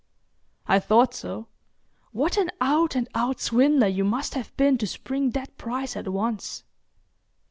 "I thought so. What an out and out swindler you must have been to spring that price at once!"